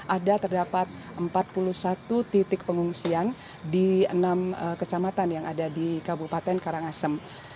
ada terdapat empat puluh satu titik pengungsian di enam kecamatan yang ada di kabupaten karangasem